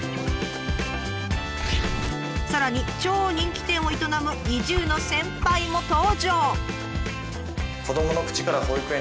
さらに超人気店を営む移住の先輩も登場！